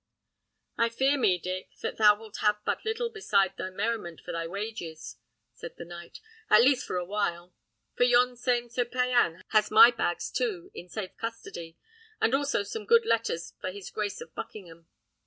"I fear me, Dick, that thou wilt have but little beside thy merriment for thy wages," said the knight, "at least for a while; for yon same Sir Payan has my bags too in safe custody, and also some good letters for his Grace of Buckingham.